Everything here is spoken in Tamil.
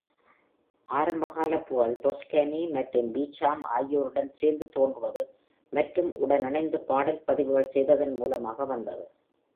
ஆரம்ப கால புகழ், Toscanini மற்றும் Beecham ஆகியோருடன் சேர்ந்து தோன்றுவது மற்றும் உடன் இணைந்து பாடல் பதிவுகள் செய்ததன் மூலமாக வந்தது.